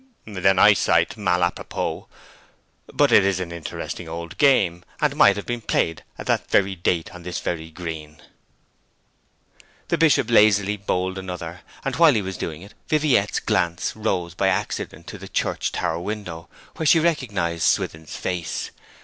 "' 'Then I cite mal a propos. But it is an interesting old game, and might have been played at that very date on this very green.' The Bishop lazily bowled another, and while he was doing it Viviette's glance rose by accident to the church tower window, where she recognized Swithin's face.